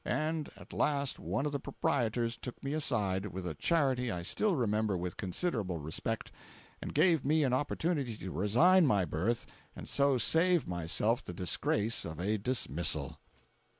And at last one of the proprietors took me aside, with a charity I still remember with considerable respect, and gave me an opportunity to resign my berth and so save myself the disgrace of a dismissal.